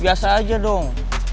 biasa aja dong